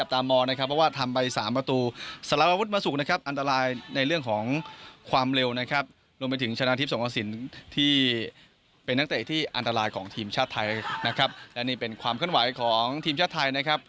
ที่เป็นนักเตะที่อันตรายของทีมชาติไทยนะครับและนี่เป็นความเข้าไหวของทีมชาติไทยนะครับ